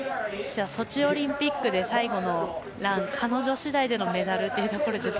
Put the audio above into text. ソチオリンピックで最後のラン彼女次第でのメダルというところで。